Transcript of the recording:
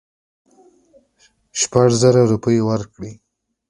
شپږزره روپۍ ورکړې.